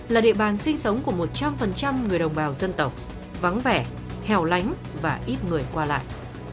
là địa bàn sinh sống của một trăm linh người đồng bào dân tộc vắng vẻ heo lánh và ít người qua lại